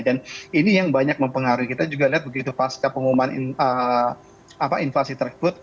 dan ini yang banyak mempengaruhi kita juga lihat begitu pas ke pengumuman inflasi tersebut